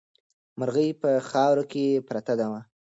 مرغۍ په خاورو کې پرته وه.